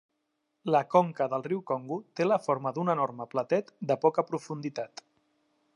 La conca del riu Congo té la forma d'un enorme platet de poca profunditat.